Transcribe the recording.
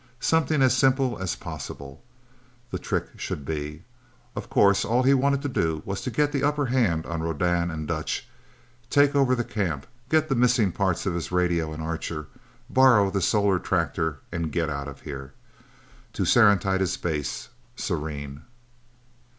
Something as simple as possible, the trick should be. Of course all he wanted to do was to get the upper hand on Rodan and Dutch, take over the camp, get the missing parts of his radio and Archer, borrow the solar tractor, and get out of here. To Serenitatis Base Serene.